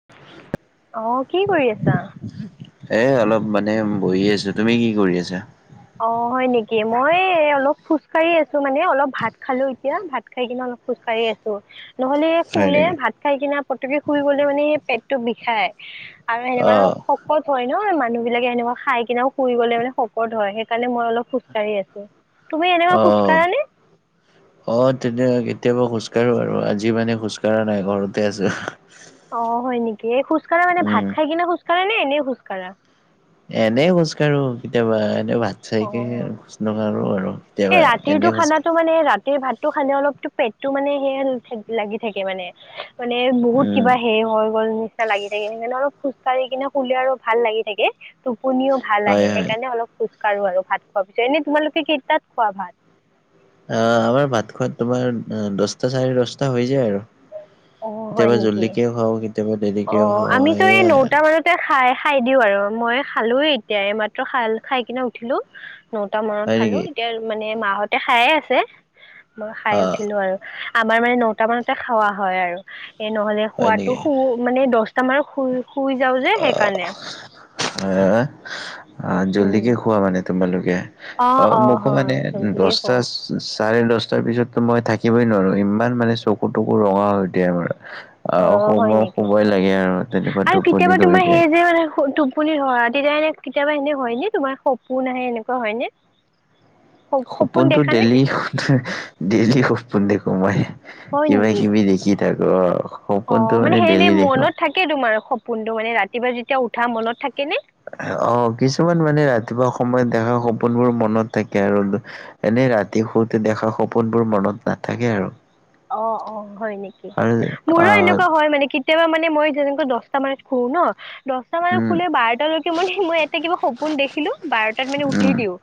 [unintelligible] অঁহ', কি কৰি আছা? এ অলপ মানে বহি আছো, তুমি কি কৰি আছা? অঁহ', হয় নেকি মই অলপ খোজকাঢ়ি আছো মানে অলপ ভাত খালো এতিয়া ভাত খাই কিনে অলপ খোজ কঢ়ি আছোঁ। নহ'লে হয় শুলে নেকি ভাত খাই কিনে পতকে শুই গলে মানে সেই পেটটো বিষাই। আৰু সেনেকুৱা অ', শকত হয় ন মানুহ বিলাকে সেনেকুৱা খাই কিনেও শুই গলে মানে শকত হয়। সেইকাৰণে মই অলপ খোজকাঢ়ি আছোঁ। অঁহ। অঁ', তেনে কেতিয়াবা খোজকাঢ়ো আৰু আজি মানে খোজকাঢ়া নাই ঘৰতে আছোঁ। অ', হয় নেকি, এই খোজকাঢ়া মানে ভাত উম। খাই কিনে খোজ কঢ়া নে এনে খোজকাঢ়া? এনেই খোজ কাঢ়ো কেতিয়াবা এনে ভাত খাইকে অ খোজ নকৰো আৰু। এই কেতিয়াবা এনে ৰাতিৰটো খোজকাঢ়ো। খানাটো মানে সেই ভাতটো খালে অলপো পেটটো মানে সে লাগি থাকে মানে। মানে বহুত উম, কিবা হেৰি হৈ গ'ল নিচিনা লাগি থাকে, সেইকাৰণে অলপ খোজ কাঢ়ি কিনে আৰু ভাল লাগি থাকে। টোপনিও ভাল হয়, আহে হয়। সেইকাৰণে অলপ খোজকাঢ়ো আৰু ভাত খোৱাৰ পিছত। এনেই তোমালোকে কেইটাত খোৱা ভাত? আহ', আমাৰ ভাত খোৱাত তোমাৰ দছটা চাৰে দছটা হৈ যায় আৰু। অঁ হয় কেতিয়াবা নেকি জলদিকেও খাওঁ, কেতিয়াবা দেৰিকেও অঁ খাওঁ, আমিতো এই সেইয়াই নটা আৰু। মানতে খাই খাই দিও আৰু, মই খালো এতিয়া এইমাত্ৰ খাল- খাই কিনে উঠিলো। নটা মনত হয় খালো, নেকি? এতিয়া মানে মাহতে খায়ে আছে, মই খাই অ', উঠিলো আৰু। আমাৰ মানে নটা মানতে খোৱা হয় আৰু, এ নহ'লে হয় খোৱাতটো নেকি? মানে দশটা মান শুই-শুই যাওঁ যে সেইকাৰণে। হয়, উম জল্দিকে খোৱা মানে তোমালোকে? অ', মোকো মানে হয় জল্দিকে দশটা কওঁ চাৰে দশটাৰ পিছততো মই থাকিবই নোৱাৰো ইমান মানে চকু- তকু ৰঙা হৈ দিয়ে। অ আৰু সময়-শুবয়ে লাগে আৰু তেনেকুৱা টোপনি। কেতিবা তোমাৰ ধৰিকে সেই মানে টোপনি ধৰা তেতিয়া এনে কেতিয়াবা এনে হয় ন, তোমাৰ সপোন আহে এনেকুৱা হয় নে? [unintelligible] সপোন সপোনতটো দেখা নে ডেইলি, ডেইলি সপোন দেখো মই, হয় কিবা- নেকি কিবি দেখি থাকো অ', সপোনতটো মানে ডেইলি দেখো। তাকে তোমাৰ সপোনটো মানে ৰাতিপুৱা যেতিয়া উঠা মনত থাকে নে? অ', কিছুমান মানে ৰাতিপুৱা সময়ত দেখা সপোনবোৰ মনত থাকে আৰু এনেই ৰাতি শুতে দেখা সপোনবোৰ মনত নাথাকে আৰু। অ', - অ', হয় নেকি, আৰু মোৰো আহ এনেকুৱা হয় মানে মানে মই যেনেকে দশটা মানত শুওঁ ন মানে উম শুলে বাৰটালৈকে মানে মই এটা কিবা সপোন দেখিলো, বাৰটাত মানে উঠি উম দিওঁ।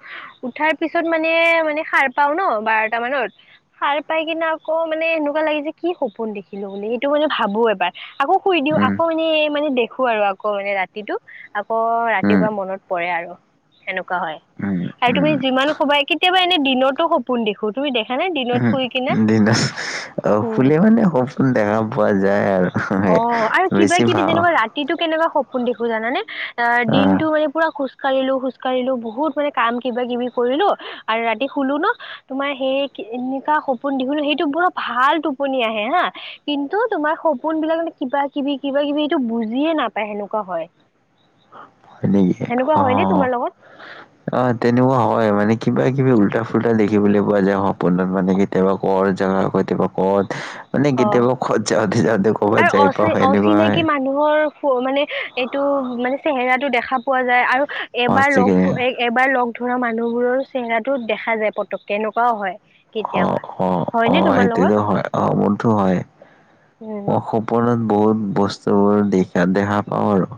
উঠাৰ পিছত মানে-মানে সাৰ পাওঁ ন বাৰটা মানত, সাৰ পাই কিনে আকৌ মানে এনেকুৱা লাগে যে কি সপোন দেখিলো বুলি! সেইটো মানে ভাবো এবাৰ। আকৌ শুই দিওঁ, উম, আকৌ এনে মানে দেখো আৰু আকৌ মানে ৰাতি ৰাতিটো, আকৌ উম, ৰাতিপুৱা মনত পৰে আৰু। সেনেকুৱা হয়, উম, আৰু তুমি উম, যিমান সোবাই কেতিয়াবা এনে দিনতো সপোন দেখো, তুমি দেখা নে দিনত উম, শুই কিনে? অ', উম শুলে মানে সপোন দেখা পোৱা যায় আৰু। অ', আৰু বেছি কিবা-কিবি ভাও যেনেকুৱা ৰাতি এইটো কেনেকুৱা সপোন দেখো জানানে? অ' দিনটো মানে পুৰা খোচ- কাঁঢ়িলো খোজ কাঁঢ়িলো বহুত মানে কাম কিবা কিবি কৰিলো আৰু ৰাতি শুলো ন- তোমাৰ সেই এনেকুৱা সপোন দেখো ন সেইটো পুৰা ভাল টোপনি আহে হাঁ- কিন্তু, তোমাৰ সপোন বিলাক মানে কিবা- কিবি, কিবা কিবি এইটো বুজিয়ে নাপায় সেনেকুৱা হয়। হয় এনেকুৱা হয়নে তোমাৰ লগত? অঁ' তেনেকুৱা হয় মানে কিবা -কিবি উল্টা- ফুল্টা দেখিবলৈ পোৱা যায় সপোনত মানে। কেতিয়াবা ক' জেগা কেতিয়াবা ক'ত- মানে অ' কেতিয়াবা খত যাওঁতে যাওঁতে ক'ৰবাত আৰু যাই অচি পাওঁ হয় সেনেকুৱা হয়। অচিনাকি মানুহৰ মানে এইটো মানে চেহেৰাটো দেখা পোৱা যায় আৰু এবাৰ লগ‌ সঁচাকে কো এই- এবাৰ লগ ধৰা মানুহবোৰৰ চেহেৰাটো দেখা যায় পতকে এনেকুৱাও হয়। কেতিয়াবা, হয়নে তোমাৰ লগত? অঁহ বন্ধ হয় উম অসম- সপোনত বহুত বস্তু বোৰ দেখা দেখা পাওঁ আৰু।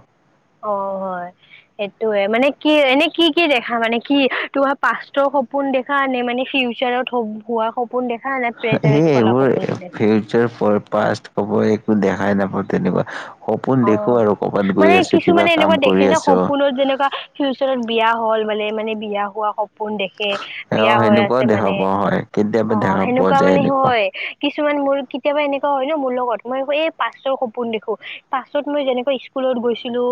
অঁ হয়। সেইটোয়ে মানে কি এনে কি কি দেখা মানে কি তোমাৰ পাচতৰ সপোন দেখ- কাৰণে মানে ফিউচাৰত হোৱা সপোন দেখা নে সেই প্ৰেজেন্টত চলা এইবোৰ সপোনটো দেখা? ফিউচাৰ পাষ্ট হব একো দেখাই নাপাওঁ তেনেকুৱা। সপোন অ দেখো আৰু কবাত গৈ আছো, কিবা কাম কৰি আছো। যত যেনেকুৱা- ফিউচাৰত বিয়া হ'ল মানে মানে বিয়া হোৱা সপ- পোন দেখে অ বিয়া হৈ আছে সেনেকুৱাও দেখা মানে পোৱা হয় কেতিয়াবা অঁ' দেখা পোৱা সেনেকুৱা যায় মানে এনেকুৱা হয়- কিছুমান মোৰ কেতিয়াবা এনেকুৱা হয় ন মোৰ লগত মই ক এই পাষ্টৰ সপোন দেখো- পাষ্টত মই যেনেকৈ স্কুলত গৈছিলো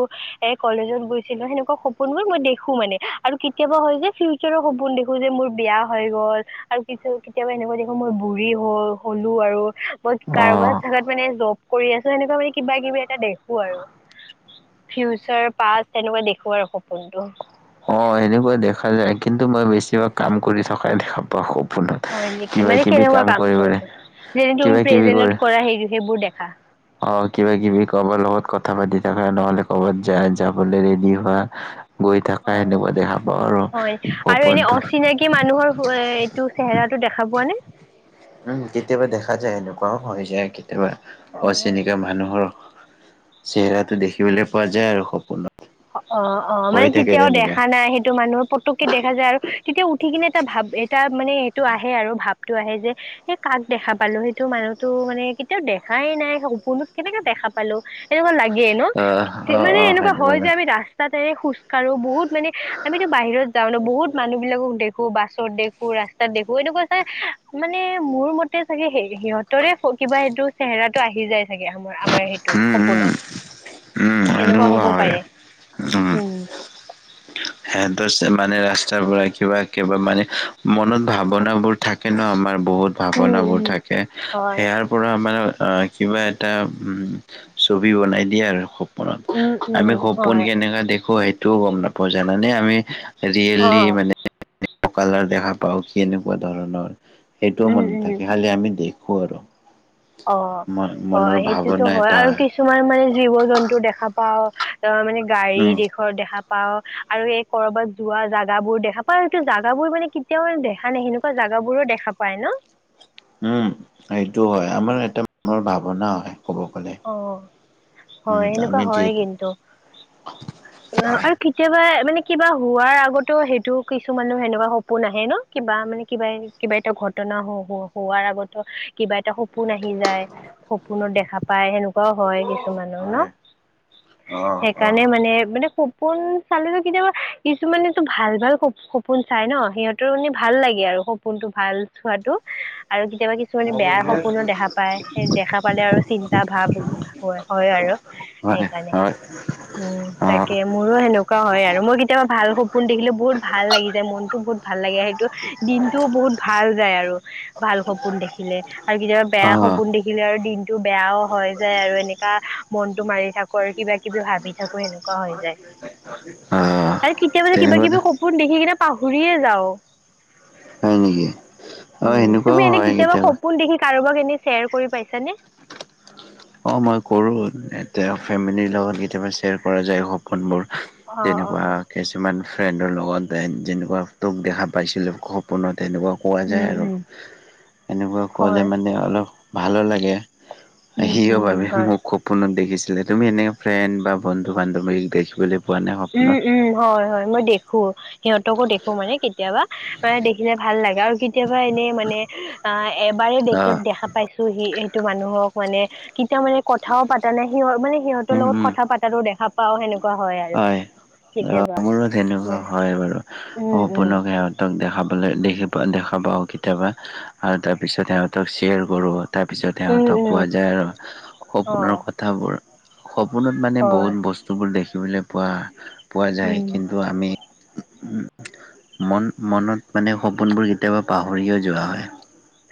এ কলেজত গৈছিলো সেনেকুৱা সপোনবোৰ মই দেখো মানে আৰু কিত- কেতিয়াবা হয় যে ফিউচাৰৰ সপোন দেখো যে মোৰ বিয়া হৈ গ'ল, আৰু কেতিয়াবা এনেকুৱা দেখো মোৰ বুঢ়ী হ- হলো আৰু মই অ। কাৰোবাৰ জাগাত মানে জব কৰি আছো এনেকুৱা মানে কিবা কিবি- কে দেখো আৰু ফিউচাৰ পাষ্ট তেনেকুৱা দেখো আৰু সপোনটো। অঁ' এনেকুৱা দেখা যায়, কিন্তু মই বেছিভাগ কাম কৰি থকাই দেখা পাওঁ সপোনত। হয় নেকি, কিবা মানে কিবি কেনেকুৱা কাম কৰি কৰিবলে থকা, যেনে কিবা তুমি প্ৰেজেন্টত কৰা হেৰি সেইবোৰ দেখা। অঁ' কিবা কিবি কাবাৰ লগত কথা পাতি থকা নহ'লে কৰ'বাত যায় যাবলে ৰেডি হোৱা। গৈ থাকা অঁ' অঁ' সেনেকুৱা দেখা পাওঁ আৰু হয় আৰু এনেই সপোনটো। অচিনাকি মানুহৰ এ এইটো- চেহেৰাটো দেখা পোৱা নে? উম' কেতিয়াবা দেখা যায়, এনেকুৱাও হৈ যায় কেতিয়াবা। অ অচিনিকা মানুহৰ চেহেৰাটো দেখিবলৈ পোৱা যায় আৰু সপোনত। অঁ' অঁ' হৈ মানে থাকে কেতিয়াও তেনেকুৱা দেখা নাই সেইটো মানুহ পতককে দেখা যায় আৰু- তেতিয়া উঠি কিনে এটা ভাব এটা- মানে এইটো আহে আৰু ভাবটো আহে যে এই কাক দেখা পালো সেইটো মানুহটো মানে- কেতিয়াও দেখাই নাই সপোনত কেনেকে দেখা পালো এনেকুৱা লাগে ন' আহ অ', মানে অ', এনেকুৱা সেনেকুৱা হয়- নাই। ৰাস্তাতে খুজ কাঢ়ো বহুত মানে আমিতো বাহিৰত যাওঁ ন বহুত মানুহ বিলাকো দেখ- খো বাছত দেখো ৰাস্তাত দেখো এনেকুৱা চাই মানে মোৰ মতে চাগে সিহঁত- তৰে কিবা এইটো চেহেৰাটো আহি যায়। থাকে আমাৰ আমাৰ সেইটোত উম, উম, সপোনত উম, এনেকুৱা সেনেকুৱা হ'বও হয় পাৰে। উম' সিহতৰ মানে ৰাস্তাৰ পৰা কিবা কিবা মানে মনত ভাৱনা বোৰ থাকে ন আমাৰ বহুত- উম ভাৱনাবোৰ উম। থাকে হয়। সেয়া- পৰা আমাৰ অঁ কিবা এটা ছবি বনাই দিয়া আৰু খুব- উম [inaudible] আমি উম সপোন হয় কেনেকা দেখো সেইটোও গম নাপাওঁ জানানে আমি অ আজিকালি মানে [inaudible] কালাৰ দেখা পাওঁ, কি এনেকুৱা ধৰণৰ এইটোও উম মনত উম থাকে, খালি আমি দেখো আৰু অ' ম মনৰ হয় হেইটোতো ভাৱনা হয় এটা আৰু কি তোমাৰ মানে জীৱ-জন্তু দেখা পাওঁ, তৰপা মানে গাড়ী উম দেখো ঘৰ দেখা পাওঁ আৰু এই কৰবাত যোৱা জাগাবোৰ বোৰ দেখা পাওঁ, ত' সেইটো জেগাবোৰ মানে কি কেতিয়াও দেখা নাই, সেনেকুৱা জাগাবোৰো দেখা পায় ন উম, সেইটো হয় আমাৰ এটা মনৰ ভাৱনা হয় হ'ব পাৰে, অ উম হয় এনেকুৱা আমি যিহেতু অ' হয় আৰু কি কেতিয়াবা মানে কিবা হোৱাৰ আগতো, সেইটো কিছুমানো সেনেকুৱা সপোন আহে ন, কিবা মানে কিবা এ কিবা এটা ঘটনা হওক হ-হোৱাৰ আগতো কিবা এটা সপোন আহি যায় সপোনত দেখা পায়, সেনেকুৱাও হয় কিছুমানৰ ন, হয় সেইকাৰণে মানে মানে সপোন চালো কেতিয়াবা কিছুমানেটো ভাল ভাল স-সপোন চাই ন, সিহঁত টো মানে, ভাল লাগে আৰু সপোনতটো ভাল চোৱাটো আৰু কেতিয়াবা কেতিয়া কিছুমানে বেয়া সপোনো দেখা পায়, সেই দেখা পালে আৰু চিন্তা ভাব হয়, হয় আৰু। হয়, সেইকাৰণে হয়। উম অ তাক কে মোৰো সেনেকুৱা হয় আৰু, মই কেতিয়াবা ভাল সপোন দেখিলে বহুত ভাল লাগি যায় মনতো বহুত ভাল লাগে, সেইটো দিনটো বহুত ভাল যায় আৰু ভাল সপোন দেখিলে, আৰু কেতিয়াবা বেয়া অ সপোন দেখি দেখিলে আৰু দিনটো বেয়াও হয় যায় আৰু এনেকা মনতো মাৰি থাকো আৰু কিবা-কিবি ভাবি থাকো, সেনে কুৱা হৈ যায় অ আৰু কেতিয়াবা যে তেনেকুৱা কিবা-কিবি সপোন দেখি কিনে পাহৰিয়ে যাওঁ। হয় নেকি অ উম, তুমি সেনেকুৱাও এনে হয় কেতিয়াবা সপোন দেখি কাৰোবাক এনে শ্বেয়াৰ কৰি পাইছা নে? অ' মই কৰো ইয়াতে ফেমিলিৰ লগত কেতিয়াবা শ্বেয়াৰ কৰা যায়, স পোণবোৰ অ অ তেনেকুৱা হয়। কিছুমান ফ্ৰেণ্ডৰ লগত, এ যেনেকুৱা তোক দেখা পাইছিলো, সপোনত এনেকুৱা পোৱা উম যায় আৰু উম এনেকুৱা হয় ক'লে মানে অলপ ভালো লাগে। এ উম সিও উম মানে হয় মোক সপোনত দেখিছিলে, তুমি এনেক ফ্ৰেণ্ড বা বন্ধু-বান্ধৱীক দেখিবলৈ পোৱা নাই উম, সপোনত? উম, হয়, হয় মই দেখো, সিহঁতকো দেখো মানে কেতিয়াবা বা দেখিলে ভাল লাগে আৰু কেতিয়াবা এনে মানে অ' এবাৰ অ দেখি-দেখা পাইছোহি, সেইটো মানুহক মানে কেতিয়া মানে ক কথাও পাতা নাই, সিহঁত মানে সিহঁতৰ উম লগত উম কথা পাতা দেখা পাওঁ, সেনেকা হয় আৰু। হয়, কেতিয়াবা অ' মোৰো তেনেকুৱা মানে হয় বাৰু উম উম সম্পূৰ্ণকে তাক দেখা পালে, দেখি পাওঁ, দেখা পাওঁ কেতিয়াবা আৰু তাৰপিছত সিহঁতক শ্বেয়াৰ কৰোঁ। তাৰপিছতহে আৰু উম ত' উম কোৱা যায় আৰু অ সপোনৰ কথাবোৰ সপোনত মানে হয় বহুত বস্তুবোৰ দেখিবলৈ পোৱা, পোৱা যায় উম কিন্তু ন্তু আমি মন মনত মানে সপোনবোৰ কেতিয়াবা পাহৰিও যোৱা হয়।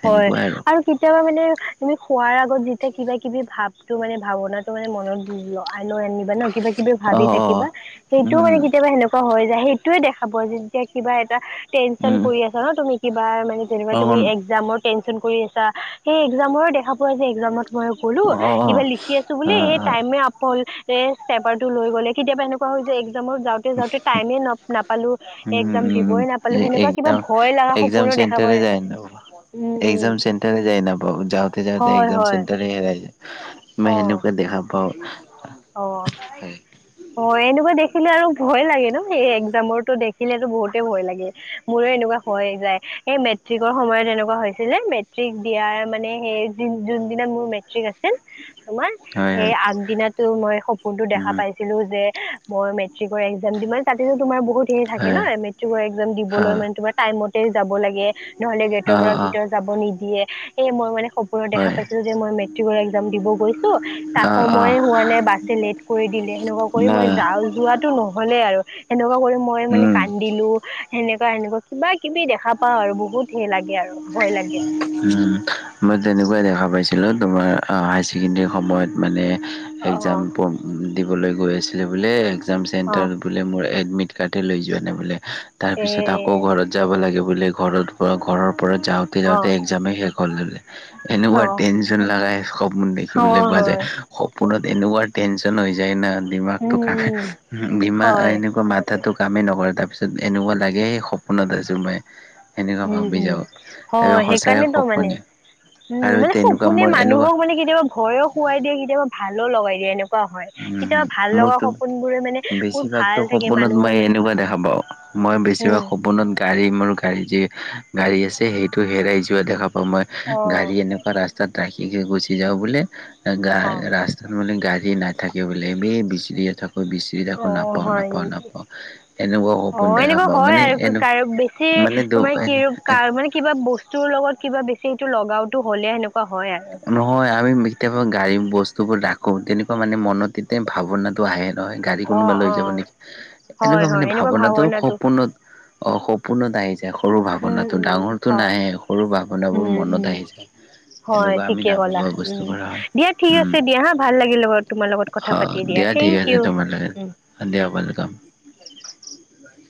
হয় আৰু কেতিয়াবা মানে তুমি শুৱাৰ আগত যেতিয়া কিবা-কিবি ভাৱটো মানে, ভাৱনাটো মানে মনত বুজ লৈ, লৈ আনিম যাই ন, কিবা-কিবি অ ভাবি অ থাকিবা, সেইটোও মানে উম কেতিয়াবা সেনেকোৱা অ' হৈ যায় সেইটোয়ে দেখা পোৱা যায়, যেতিয়া কিবা এটা টেনচন উম কৰি আছা ন তুমি কিবা মানে নে যেনিবা অ তুমি একযামৰ টেঞ্চন কৰি আছা, এই একযামৰ দেখা পোৱা যায়, একযামত মই গ'লো অ অ কিবা লিখি আছো বুলি, এই অ', টাইমে আপ হ'ল, এ পেপাৰ টো লৈ গ'লে, অ' কেতিয়াবা এনেকুৱা ৱা একযামত যাওঁতে, যাওঁতে টাইম না-নাপালো একযাম দিবই নাপালো, সেনেকুৱা কিবা ভয় লগা সপোনো দেখাবই। এ এক্সাম চেণ্টাৰ যায় নাপাওঁ যাওঁতে যাওঁতে হয় এক্সাম হয় চেণ্টাৰে হেৰাই যায়। অ মই এনেকা দেখা পাওঁ অ হয়। হয় এনেকুৱা দেখিলে আৰু ভয় লাগে ন সেই এক্সামটোৰ দেখিলেতো বহুতে ভয় লাগে। মোৰে এনেকুৱা হৈয়ে যায় সেই মেট্ৰিকৰ সময়ত এনেকুৱা হৈছিলে মেট্ৰিক দিয়াৰ মানে সেই যোনদিনা মোৰ মেট্ৰিক আছিল তোমাৰ হয় সেই হয় আগদিনাতো মই সপোনটো দেখা উম পাইছো কিন্তু যে মই মেট্ৰিকৰ এক্সাম যিমান তাতিলো তোমাৰ বহুত দি থাকে ন মেট্ৰিকৰ এক্সাম দিবলৈ হয় মানে তোমাৰ টাইমতে যাব লাগে নহলে অ গেটৰ অ পৰা অ ভিতৰত যাব নিদিয়ে সেই মই মানে সপো দেখা হয় পাইছিলো যে মই মেট্ৰিকৰ এক্সাম দিব গৈছো তাক অ অ সময়ে হোৱা নে বাছে লেট কৰি দিলে এনেকুৱা ন কৰি মই যাওঁ যোৱাটো নহলে আৰু। এনেকুৱা কৰি মই মানে উম কান্দিলো এনেকুৱা এনেকুৱা কিবা কিবি দেখা পাওঁ আৰু বহুত হে লাগে আৰু ভয় লাগে। উম মই তেনেকুৱাই দেখা পাইছিলোঁ তোমাৰ হায়াৰ ছেকেণ্ডেৰী সময়ত মানে অ এক্সাম দিবলৈ গৈ আছিলে বোলে এক্সাম অ চেণ্টাৰ বোলে মোৰ এডমিদ কাটে লৈ যোৱা নাই বোলে এ তাৰপিছত আও আকৌ এ ঘৰত যাব লাগে বুলে ঘৰত পৰা ঘৰৰ পৰা যাওঁতে অ যাওঁতে এক্সাজামেই শেষ হ'ল বোলে। এনেকুৱা অ টেনচন লগাই সপোন দেখিবলৈ হয় পোৱা যায়। হয় সপোনত এনেকুৱা টেনচন হৈ যায় না ডিমাকতো উম হা উম ডিমা হয় এনেকুৱা মা তাতো কামেই নকৰে তাৰপিছত এনেকুৱা লাগে সপোনত আছোঁ মই সেনেকুৱা উম ভাবি উম যাওঁ। তাকে হয় সঁচাই সেইকাৰণেতো মানে সপোনে উম আৰু মানে তেনেকুৱা সপোনে মোৰ এনেকুৱা মানুহক মানে কেতিয়াবা ভয়ো খোৱাই দিয়ে কেতিয়াবা ভালো লগাই দিয়ে এনে। উ মোৰতো মানে বহুত বেছিভাগতো ভাল থাকে সপোনত মানুহৰ মই মানে এনেকুৱা দেখা পাওঁ। মই বেছিভাগ উম সপোনত গাড়ী মোৰ গাড়ী যি গাড়ী আছে সেইটো হেৰাই যোৱা দেখা পাওঁ মই অ গাড়ী এনে ৰাস্তাত ৰাখি গুচি যাওঁ বোলে অ', ৰাস্তাত মানে গাড়ী নাই [unintelligible] থাকিব লাগ এই বিচলি এ থাকৈ বিচ অ', নাপাওঁ হয় নাপাওঁ নেকি? নাপাওঁ এনেকুৱা সপোন অ', দেখা এনেকুৱা পাওঁ হয় মানে আৰু এনে কাৰ বেছি মানে দু তোমাৰ কি এ কাৰ মানে কিবা বস্তুৰ লগত কিবা বেছি এইটো লগাওটো হ'লে সেনেকুৱা হয় আৰু হয় আমি কেতিয়াবা গাড়ী বস্তুবোৰ ৰাখোঁ তেনেকুৱা মানে মনত এতিয়া ভাৱনাটো আহে নহয় গাড়ী কোনোবা অ', লৈ যাব অ'। নেকি, এনেকুৱা মানে ভাৱনাটো সপোনত অ' সপোনত আহি যায় সৰু উম, ভাৱনাটো উম, ডাঙৰটো হয়, নাহে সৰু ভাৱনাবোৰ উম, উম। মনত আহি যায়। হয় এনেকুৱা আমি ঠিকে ক'লা নাভাবা উম বস্তুবোৰ হয় দিয়া ঠিক উম আছে দিয়া হা ভাল লাগিল তোমাৰ লগত কথা পাতি অ' দিয়া ঠিক থেংক আছে ইউ তোমাল লগে উম। দিয়া ৱেলকাম